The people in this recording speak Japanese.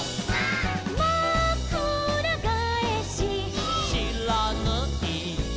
「まくらがえし」「」「しらぬい」「」